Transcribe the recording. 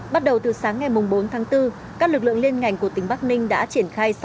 bắt đầu từ sáng ngày bốn tháng bốn các lực lượng liên ngành của tỉnh bắc ninh đã triển khai